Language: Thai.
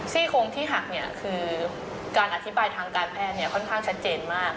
ซี่โคงที่หักคือการอธิบายทางการแพทย์ค่อนข้างชัดเจนมาก